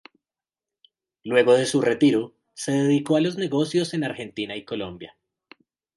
Luego de su retiro se dedicó a los negocios en Argentina y Colombia.